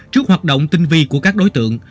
trước hoạt động tinh vi của các đối tượng